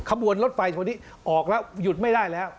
ขบวนรถไฟตัวนี้ออกแล้วหยุดไม่ได้แล้ว